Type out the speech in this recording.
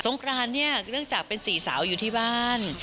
ครานเนี่ยเนื่องจากเป็นสี่สาวอยู่ที่บ้าน